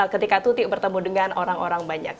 ketika tutik bertemu dengan orang orang banyak